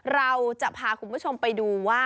เราจะพาคุณผู้ชมไปดูว่า